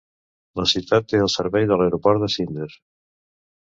La ciutat té el servei de l'aeroport de Zinder.